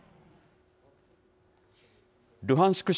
ルハンシク